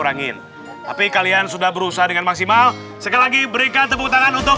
angin tapi kalian sudah berusaha dengan maksimal sekali lagi berikan tepuk tangan untuk